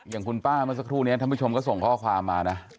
อย่างคุณป้าเมื่อสักครู่นี้ท่านผู้ชมก็ส่งข้อความมานะ